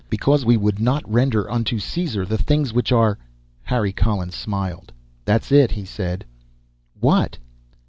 Because we would not render unto Caesar the things which are " Harry Collins smiled. "That's it," he said. "What?"